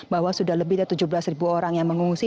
bahwa sudah lebih dari tujuh belas ribu orang yang mengungsi